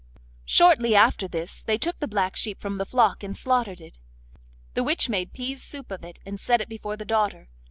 Shortly after this they took the black sheep from the flock and slaughtered it. The witch made pease soup of it, and set it before the daughter.